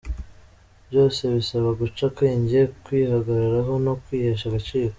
Byose bisaba guca akenge, kwihagararaho no kwihesha agaciro.